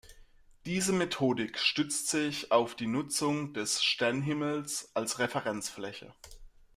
Diese Methodik stützt sich auf die Nutzung des Sternhimmels als Referenzfläche.